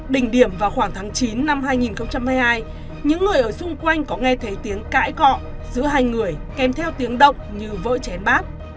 đỉnh điểm vào khoảng tháng chín năm hai nghìn hai mươi hai những người ở xung quanh có nghe thấy tiếng cãi cọ giữa hai người kèm theo tiếng động như vỡ chén bát